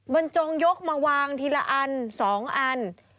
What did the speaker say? บรรจงยกมาวางทีละอัน๒อัน